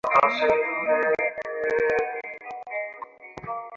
বিনয় কহিল, জাতিভেদটা ভালোও নয়, মন্দও নয়।